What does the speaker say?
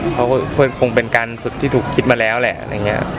เพราะคงเป็นการฝึกที่ถูกคิดมาแล้วแหละ